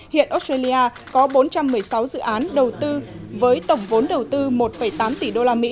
hiện australia có bốn trăm một mươi sáu dự án đầu tư với tổng vốn đầu tư một tám tỷ usd